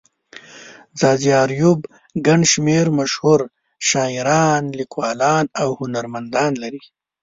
ځاځي اريوب گڼ شمېر مشهور شاعران، ليکوالان او هنرمندان لري.